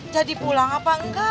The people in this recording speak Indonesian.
jadi pulang apa enggak